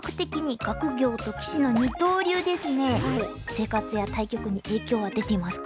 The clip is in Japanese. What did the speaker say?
生活や対局に影響は出ていますか？